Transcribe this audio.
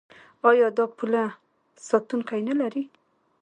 آیا دا پوله ساتونکي نلري؟